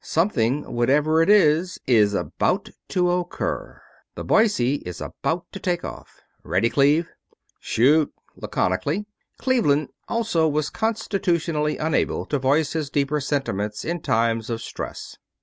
"Something, whatever it is, is about to occur. The Boise is about to take off. Ready, Cleve?" "Shoot!" laconically. Cleveland also was constitutionally unable to voice his deeper sentiments in time of stress.